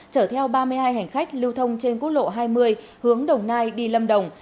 chở theo ba mươi hai hành khách lưu thông trên quốc lộ hai mươi hướng đồng nai đi lâm đồng